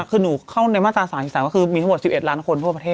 คือหนูเข้าในมาตรา๓๓ก็คือมีทั้งหมด๑๑ล้านคนทั่วประเทศ